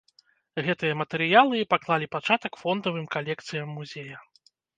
Гэтыя матэрыялы і паклалі пачатак фондавым калекцыям музея.